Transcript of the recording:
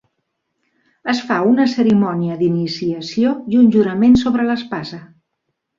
Es fa una cerimònia d'iniciació i un jurament sobre l'espasa.